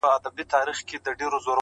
نن بيا يوې پيغلي په ټپه كـي راتـه وژړل،